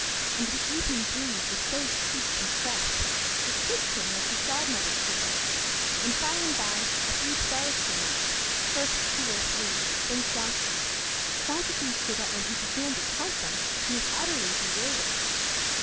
And the evening breeze was so sweet and fresh it kissed him like his godmother's kisses; and by and by a few stars came out first two or three, and then quantities quantities! so that when he began to count them he was utterly bewildered.